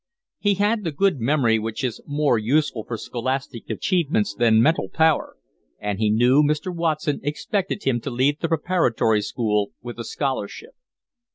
He had the good memory which is more useful for scholastic achievements than mental power, and he knew Mr. Watson expected him to leave the preparatory school with a scholarship.